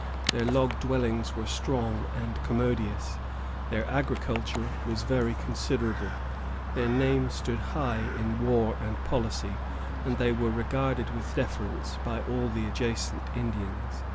Their log dwellings were strong and commodious, their agriculture was very considerable, their name stood high in war and policy, and they were regarded with deference by all the adjacent Indians.